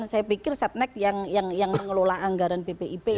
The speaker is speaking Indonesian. saya pikir setnek yang mengelola anggaran bpip